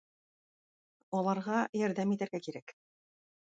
Аларга ярдәм итәргә кирәк.